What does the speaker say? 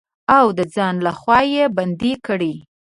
او د ځان لخوا يې بندې کړي.